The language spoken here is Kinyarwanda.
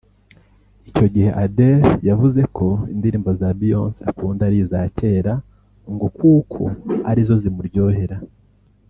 Icyo gihe Adele yavuze ko indirimbo za Beyonce akunda ari iza kera ngo kuko ari zo zimuryohera